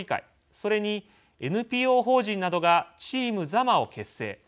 それに、ＮＰＯ法人などがチーム座間を結成。